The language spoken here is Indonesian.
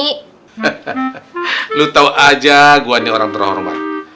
hehehe lu tau aja gue ini orang terhormat